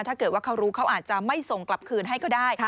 ถ้าเกิดว่าเขารู้เขาอาจจะไม่ส่งกลับคืนให้ก็ได้